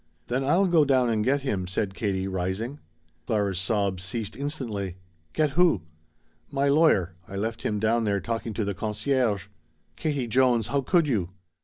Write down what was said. "Then I'll go down and get him," said Katie, rising. Clara's sobs ceased instantly. "Get who?" "My lawyer. I left him down there talking to the concierge." "Katie Jones how could you!"